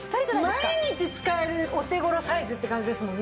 毎日使えるお手頃サイズって感じですもんね。